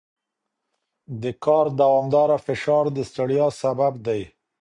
د کار دوامداره فشار د ستړیا سبب دی.